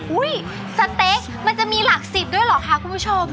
อุ้ยสเต็กมันจะมีหลักสิบด้วยหรอค่ะคุณผู้ชม